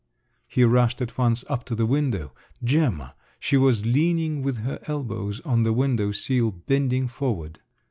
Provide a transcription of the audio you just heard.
He rushed at once up to the window … Gemma! She was leaning with her elbows on the window sill, bending forward.